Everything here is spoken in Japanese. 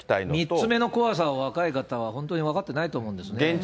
３つ目の怖さは、若い方は本当に分かってないとおもんですね。